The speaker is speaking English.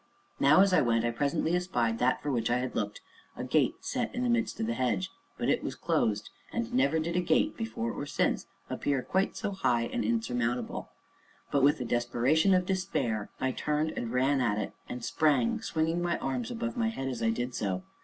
Now, as I went, I presently espied that for which I had looked a gate set in the midst of the hedge, but it was closed, and never did a gate, before or since, appear quite so high and insurmountable; but, with the desperation of despair, I turned, ran at it, and sprang, swinging my arms above my head as I did so.